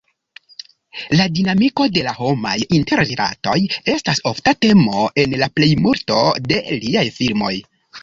La dinamiko de homaj interrilatoj estas ofta temo en la plejmulto de liaj filmoj.